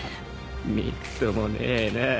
みっともねえなぁ。